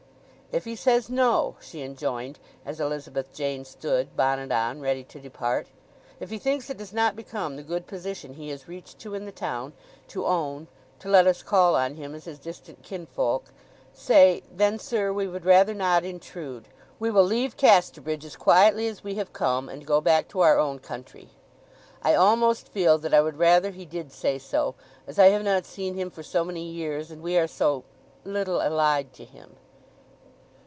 "If he says no," she enjoined, as Elizabeth Jane stood, bonnet on, ready to depart; "if he thinks it does not become the good position he has reached to in the town, to own—to let us call on him as—his distant kinfolk, say, 'Then, sir, we would rather not intrude; we will leave Casterbridge as quietly as we have come, and go back to our own country.' ...I almost feel that I would rather he did say so, as I have not seen him for so many years, and we are so—little allied to him!"